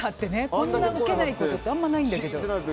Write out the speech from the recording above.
あんなにウケないことあんまないんだけど。